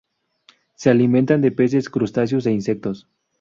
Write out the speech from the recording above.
Se alimenta de peces, crustáceos e insectos.